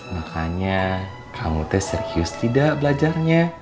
makanya kamu teh serius tidak belajarnya